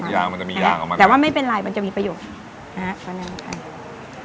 อ๋อยางมันจะมียางออกมาแต่ว่าไม่เป็นไรมันจะมีประโยชน์